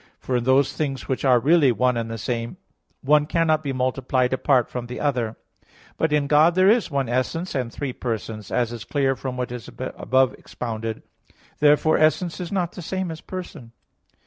For in those things which are really one and the same, one cannot be multiplied apart from the other. But in God there is one essence and three persons, as is clear from what is above expounded (Q. 28, A. 3; Q. 30, A. 2). Therefore essence is not the same as person.